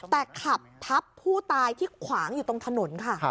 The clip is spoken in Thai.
แต่ขับทับผู้ตายที่ขวางอยู่ตรงถนนค่ะ